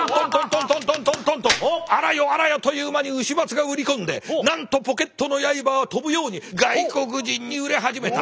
あらよあらよという間に丑松が売り込んでなんとポケットの刃は飛ぶように外国人に売れ始めた。